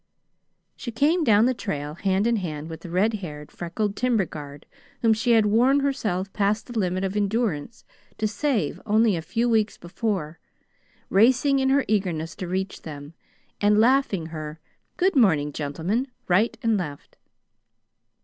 She came down the trail, hand in hand with the red haired, freckled timber guard whom she had worn herself past the limit of endurance to save only a few weeks before, racing in her eagerness to reach them, and laughing her "Good morning, gentlemen," right and left.